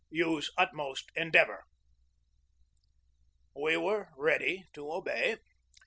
Use utmost endeavor." We were ready to obey.